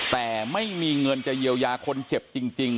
แต่ไม่มีเงินจะเยียวยาคนเจ็บจริง